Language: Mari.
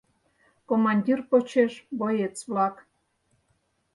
Командир почеш — боец-влак.